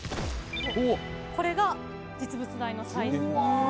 これが実物大のサイズです。